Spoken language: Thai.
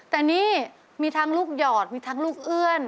แต่นี่มีทั้งลูกหยอดมีทั้งลูกเอื้อน